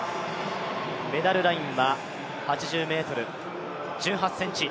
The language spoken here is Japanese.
メダルラインは８０ｍ１８ｃｍ。